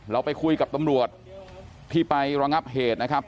เราไปคุยกับตำรวจที่ไประงับเหตุนะครับ